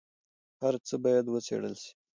هر څه باید وڅېړل سي.